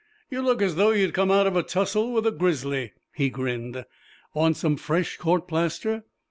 "You look as though you'd come out of a tussle with a grizzly," he grinned. "Want some fresh court plaster?"